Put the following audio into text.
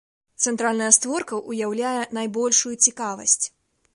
Цэнтральная створка ўяўляе найбольшую цікавасць.